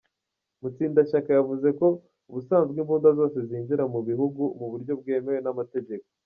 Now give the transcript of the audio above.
Mutsindashyaka yavuze ko ubusanzwe imbunda zose zinjira mu bihugu mu buryo bwemewe n’amategeko.